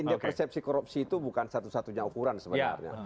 indek persepsi korupsi itu bukan satu satunya ukuran sebenarnya